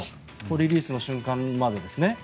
リリースの瞬間までですね。